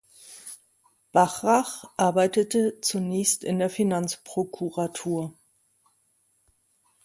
Bachrach arbeitete zunächst in der Finanzprokuratur.